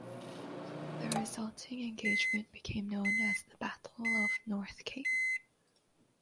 The resulting engagement became known as the Battle of North Cape.